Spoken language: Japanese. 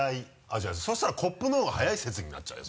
じゃあそうしたら「コップのほうが早い説」になっちゃうよ